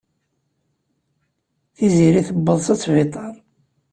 Tiziri tuweḍ s asbiṭar.